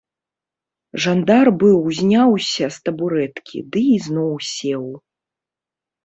Жандар быў узняўся з табурэткі ды ізноў сеў.